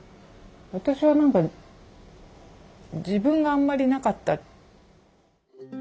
私は何か自分があんまり無かった。